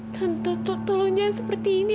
tante tolongnya seperti ini